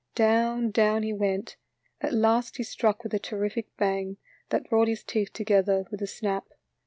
Down, down he went, at last he struck with a terrific bang that brought his teeth together with a snap.